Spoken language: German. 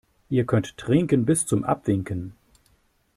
Ihr könnt trinken bis zum Abwinken.